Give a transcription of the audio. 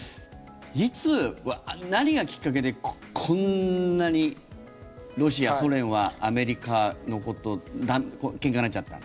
いつ何がきっかけでこんなにロシア、ソ連はアメリカとけんかになっちゃった？